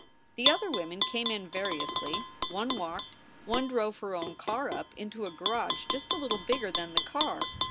The other women came in variously. One walked. One drove her own car up into a garage just a little bigger than the car.